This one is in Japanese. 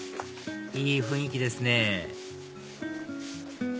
いい雰囲気ですね